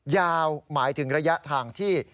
หมายถึงระยะทางที่